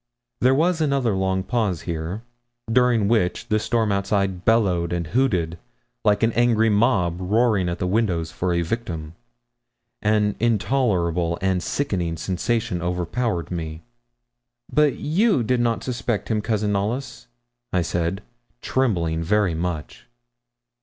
There was another long pause here, during which the storm outside bellowed and hooted like an angry mob roaring at the windows for a victim. An intolerable and sickening sensation overpowered me. 'But you did not suspect him, Cousin Knollys?' I said, trembling very much.